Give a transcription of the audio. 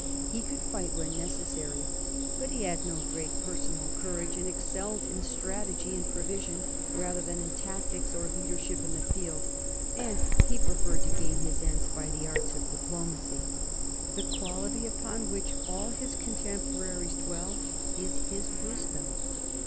He could fight when necessary, but he had no great personal courage and excelled in strategy and prevision rather than in tactics or leader ship in the field, and he preferred to gain his ends by the arts of diplomacy. The quality upon which all his contemporaries dwell is his wisdom.